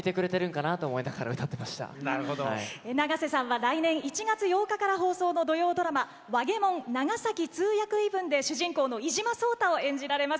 永瀬さんは来年１月８日から放送の土曜ドラマ「わげもん長崎通訳異聞」で主人公の伊嶋壮多を演じられます。